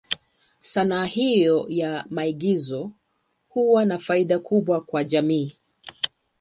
Sanaa hiyo ya maigizo huwa na faida kubwa kwa jamii.